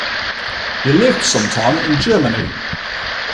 He lived some time in Germany.